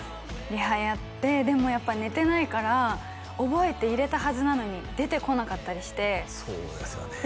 リハやってでもやっぱ寝てないから覚えて入れたはずなのに出てこなかったりしてそうですよね